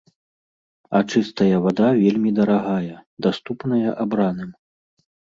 А чыстая вада вельмі дарагая, даступная абраным.